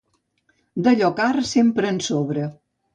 D'allò car, sempre en sobra.